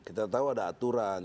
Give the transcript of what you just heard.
kita tahu ada aturan